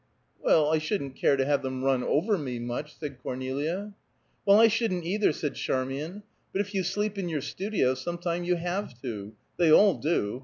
"Well, I shouldn't care to have them run over me, much," said Cornelia. "Well, I shouldn't either," said Charmian, "but if you sleep in your studio, sometime you have to. They all do.